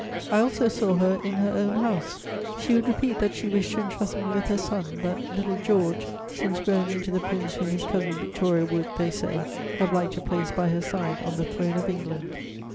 I also saw her in her own house: she would repeat that she wished to entrust me with her son, that little "George," since grown into the Prince whom his cousin Victoria would, they say, have liked to place by her side on the throne of England. [Sidenote: The Duchess of Cumberland.